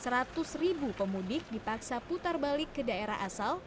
seratus ribu pemudik dipaksa putar balik ke daerah asal